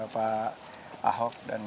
pak ahok dan